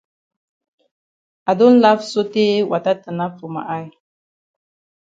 I don laf sotay wata tanap for ma eye.